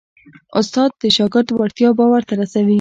استاد د شاګرد وړتیا باور ته رسوي.